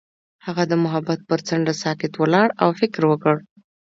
هغه د محبت پر څنډه ساکت ولاړ او فکر وکړ.